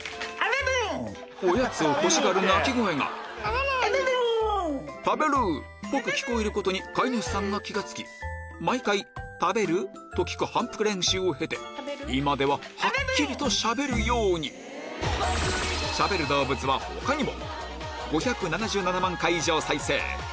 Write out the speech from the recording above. おやつを欲しがる鳴き声が「食べる」っぽく聞こえることに飼い主さんが気が付き毎回「食べる？」と聞く反復練習を経て今でははっきりとしゃべるようにしゃべる動物は他にも！